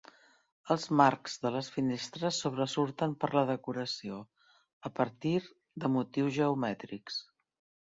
Els marcs de les finestres sobresurten per la decoració, a partir de motius geomètrics.